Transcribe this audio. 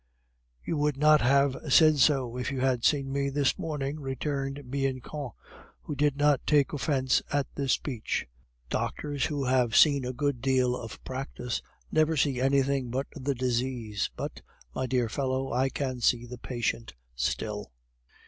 "You would not have said so if you had seen me this morning," returned Bianchon, who did not take offence at this speech. "Doctors who have seen a good deal of practice never see anything but the disease, but, my dear fellow, I can see the patient still."